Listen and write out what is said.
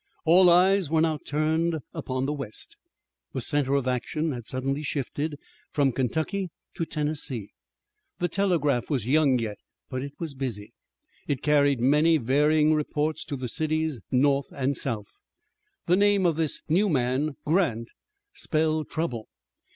All eyes were now turned upon the west. The center of action had suddenly shifted from Kentucky to Tennessee. The telegraph was young yet, but it was busy. It carried many varying reports to the cities North and South. The name of this new man, Grant, spelled trouble.